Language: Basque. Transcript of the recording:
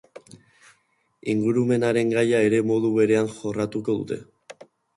Ingurumenaren gaia ere modu berean jorratuko dute.